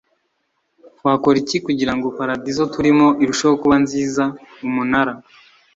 Wakora iki kugira ngo paradizo turimo irusheho kuba nziza Umunara